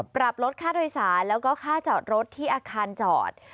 ปรับลดค่าโดยสารแล้วก็ค่าจอดรถที่อาคารจอด